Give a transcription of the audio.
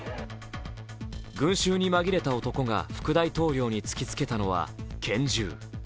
群衆に紛れた男が副大統領に突きつけたのは拳銃。